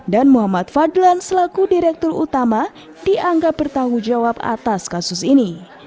dan muhammad fadlan selaku direktur utama dianggap bertanggung jawab atas kasus ini